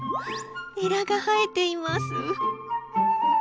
エラが生えています。